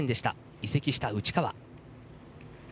移籍した内川。